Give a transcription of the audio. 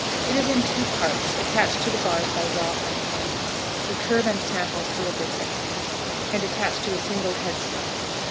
It is in two parts, attached to the bars by raw hide thongs. The curb and snaffle steel bits are used, and attached to a single head stall.